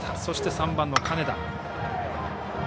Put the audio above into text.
そして３番の金田。